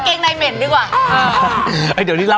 เกงไหนเกงไหนเกงไหนเม้น